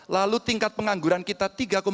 lalu tingkat pengangguran kita tiga empat